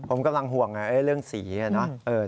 ผมกำลังห่วงเรื่องสีเนอะ